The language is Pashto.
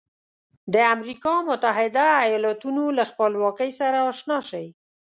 د امریکا متحده ایالتونو له خپلواکۍ سره آشنا شئ.